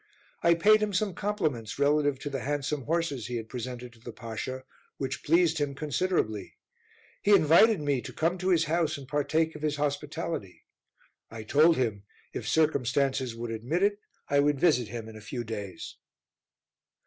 I paid him some compliments relative to the handsome horses he had presented to the Pasha, which pleased him considerably; he invited me to come to his house and partake of his hospitality. I told him, if circumstances would admit it, I would visit him in a few days.